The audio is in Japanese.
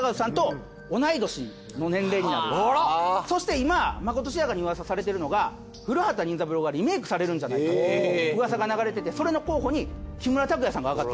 そして今まことしやかにウワサされてるのが『古畑任三郎』がリメイクされるんじゃないかっていうウワサが流れててそれの候補に木村拓哉さんが挙がってるんです。